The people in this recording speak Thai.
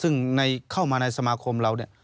ซึ่งเข้ามาในสมาคมเราเนี่ย